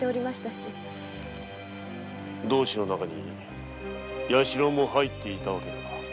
同志の中に弥四郎も入っていたわけだな。